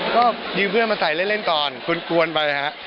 ก็ยืมเพื่อนมาใส่เล่นตอนคุ้นกวนไปนะฮะ